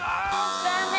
残念。